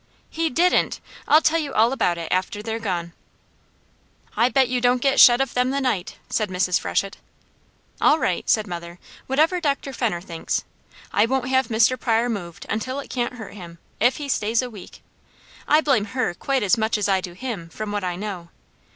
"He didn't! I'll tell you all about it after they're gone." "I bet you don't get shet of them the night," said Mrs. Freshett. "All right!" said mother. "Whatever Dr. Fenner thinks. I won't have Mr. Pryor moved until it can't hurt him, if he stays a week. I blame her quite as much as I do him; from what I know.